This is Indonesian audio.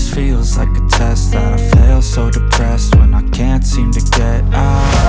sampai jumpa di video selanjutnya